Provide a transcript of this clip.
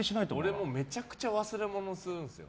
俺もめちゃくちゃ忘れ物するんですよ。